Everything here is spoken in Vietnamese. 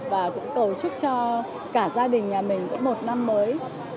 và cũng cầu chúc cho cả gia đình nhà mình có một năm mới